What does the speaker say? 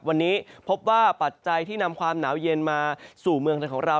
วันนี้พบว่าปัจจัยที่นำความหนาวเย็นมาสู่เมืองในของเรา